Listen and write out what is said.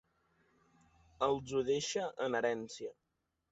Els ho deixa en herència.